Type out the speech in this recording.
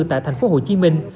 tại thành phố hồ chí minh